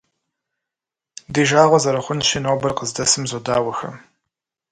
Ди жагъуэ зэрыхъунщи, нобэр къыздэсым зодауэхэ.